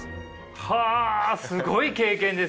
はあすごい経験ですね！